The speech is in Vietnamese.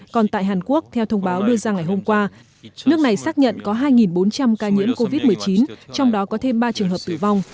còn tại hàn quốc theo thông báo đưa ra ngày hôm qua nước này xác nhận có hai bốn trăm linh ca nhiễm covid một mươi chín trong đó có thêm ba trường hợp tử vong